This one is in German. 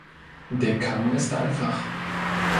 Der Kamm ist einfach.